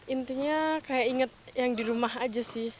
intinya kayak inget yang di rumah aja sih